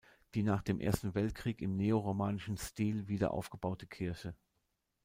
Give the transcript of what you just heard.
Die nach dem Ersten Weltkrieg im neoromanischen Stil wiederaufgebaute Kirche.